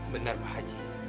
bener pak haji